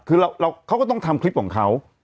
คือเขาก็ต้องทำคลิปของเขา